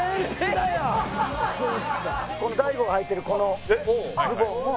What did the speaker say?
大悟がはいてるこのズボンも。